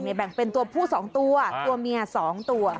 มีแบ่งเป็นตัวผู้สองตัวตัวเมียสองตัว